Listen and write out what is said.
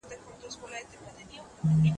زه له سهاره د سبا لپاره د هنرونو تمرين کوم!